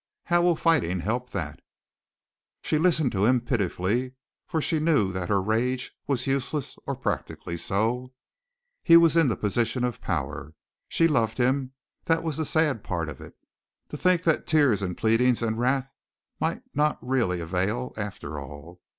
How will fighting help that?" She listened to him pitifully, for she knew that her rage was useless, or practically so. He was in the position of power. She loved him. That was the sad part of it. To think that tears and pleadings and wrath might not really avail, after all!